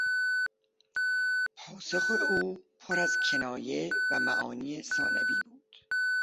پاسخ او پر از کنایه و معانی ثانوی بود.